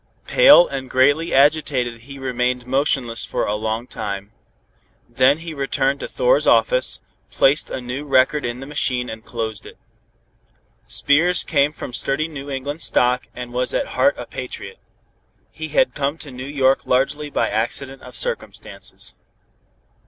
Pale and greatly agitated he remained motionless for a long time. Then he returned to Thor's office, placed a new record in the machine and closed it. Spears came from sturdy New England stock and was at heart a patriot. He had come to New York largely by accident of circumstances.